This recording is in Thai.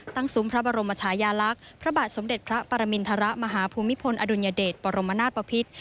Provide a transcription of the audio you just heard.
ตั้งสุมพระบรมชายาลักษณ์พระบาทสมเด็จพระปรมิณฐระมหาภูมิพลอดุญเดชปรมนาฏปภิษฐ์